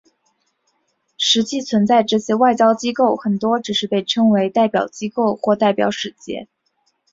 事实存在的这些外交机构很多是只被称为代表机构或代表使节。